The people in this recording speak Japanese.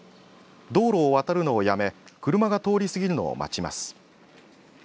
道路を渡るのをやめ車が通り過ぎるのを待ちます。